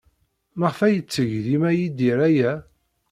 Maɣef ay yetteg dima Yidir aya?